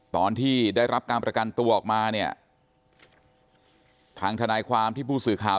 ตอนที่ได้รับการประกันตัวออกมาเนี่ยทางทนายความที่ผู้สื่อข่าว